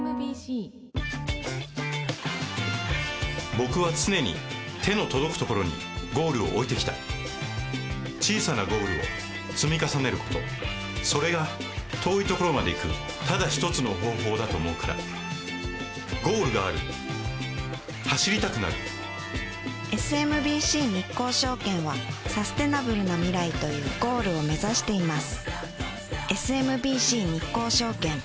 僕は常に手の届くところにゴールを置いてきた小さなゴールを積み重ねることそれが遠いところまで行くただ一つの方法だと思うからゴールがある走りたくなるＳＭＢＣ日興証券はサステナブルな未来というゴールを目指しています